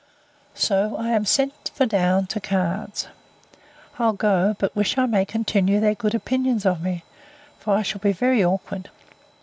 So, I am sent for down to cards. I'll go; but wish I may continue their good opinions of me: for I shall be very awkward.